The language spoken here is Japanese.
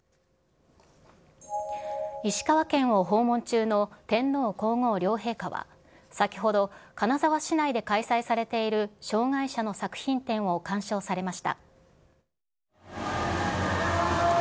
石川県を訪問中の天皇皇后両陛下は、先ほど金沢市内で開催されている障害者の作品展を鑑賞されました。